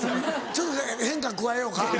ちょっと変化加えようか？